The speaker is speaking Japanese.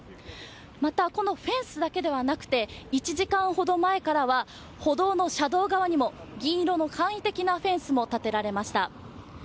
またフェンスだけではなくて１時間ほど前からは歩道の車道側にも銀色の簡易的なフェンスも立てられました。